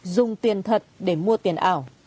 dùng tiền thật để mua tiền ảo